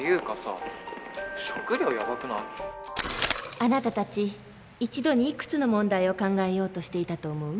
あなたたち一度にいくつの問題を考えようとしていたと思う？